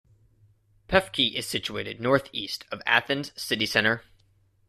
Pefki is situated northeast of Athens city centre.